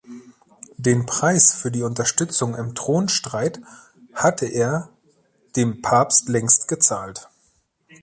Den Preis für die Unterstützung im Thronstreit hatte er dem Papst längst gezahlt.